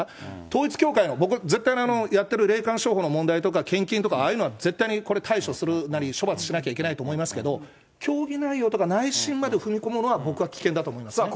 統一教会の、僕は、やっている霊感商法とか問題とか、献金とかああいうのは絶対にこれ、対処するなり、処罰しないといけないと思うけど、教義内容とか、内心まで踏み込むのは僕は危険だと思いますね。